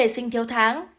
trẻ sinh thiếu tháng